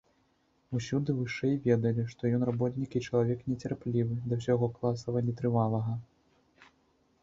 Усюды вышэй ведалі, што ён работнік і чалавек нецярплівы да ўсяго класава нетрывалага.